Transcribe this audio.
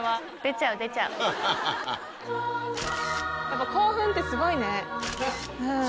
やっぱ興奮ってすごいねうん。